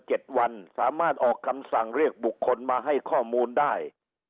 เจ็ดวันสามารถออกคำสั่งเรียกบุคคลมาให้ข้อมูลได้